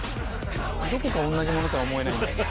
「どこか同じものとは思えないんだよな」